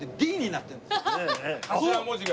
頭文字が。